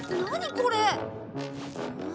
これ。